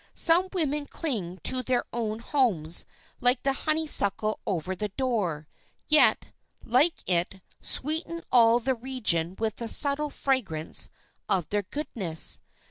Some women cling to their own homes like the honeysuckle over the door, yet, like it, sweeten all the region with the subtle fragrance of their goodness.